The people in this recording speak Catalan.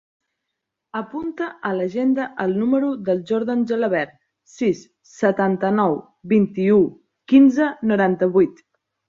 Apunta a l'agenda el número del Jordan Gelabert: sis, setanta-nou, vint-i-u, quinze, noranta-vuit.